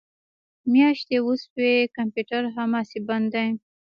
میاشتې وشوې کمپیوټر هماسې بند دی